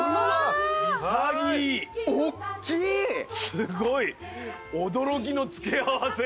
すごい！驚きの付け合わせ。